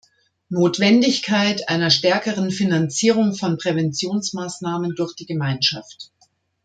Notwendigkeit einer stärkeren Finanzierung von Präventionsmaßnahmen durch die Gemeinschaft.